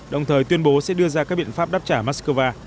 đồng thời tuyên bố sẽ đưa ra các biện pháp đáp trả mắc cơ va